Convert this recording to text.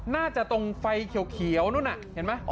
น่าจะตรงไฟเขียวเขียวนู้น่ะเห็นไหม